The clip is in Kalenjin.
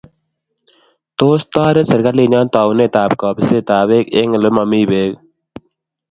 Tos taret serikalinyo taunet ab kabiset ab peek eng' ole ole mami peek